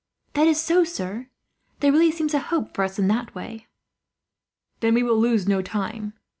"That is so, sir. There really seems a hope for us, in that way." "Then we will lose no time.